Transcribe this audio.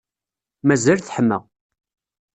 Mazal teḥma.